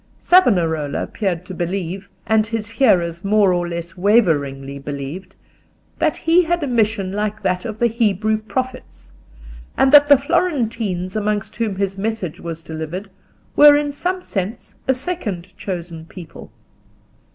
Savonarola appeared to believe, and his hearers more or less waveringly believed, that he had a mission like that of the Hebrew prophets, and that the Florentines amongst whom his message was delivered were in some sense a second chosen people.